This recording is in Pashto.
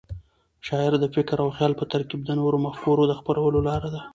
شاعري د فکر او خیال په ترکیب د نوو مفکورو د خپرولو لار ده.